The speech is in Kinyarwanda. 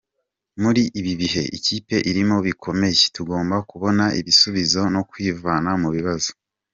"Muri ibi bihe ikipe irimo bikomeye, tugomba kubona ibisubizo no kwivana mu bibazo.